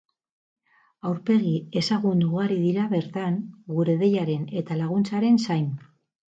Aurpegi ezagun ugari dira bertan, gure deiaren eta laguntzaren zain.